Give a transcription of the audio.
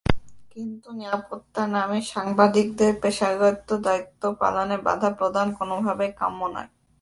কিন্তু নিরাপত্তার নামে সাংবাদিকদের পেশাগত দায়িত্ব পালনে বাধা প্রদান কোনোভাবেই কাম্য নয়।